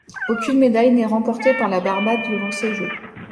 Aucune médaille n'est remportée par la Barbade durant ces Jeux.